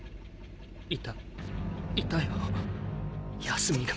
いたいたよ泰美が。